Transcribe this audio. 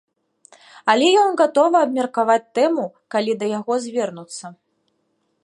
Але ён гатовы абмеркаваць тэму, калі да яго звернуцца.